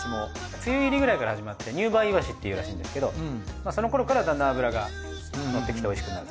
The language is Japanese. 梅雨入りくらいから始まって入梅イワシっていうらしいんですけどその頃からだんだん脂がのってきておいしくなる。